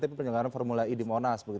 mulai dari penyelenggaraan formula e di monas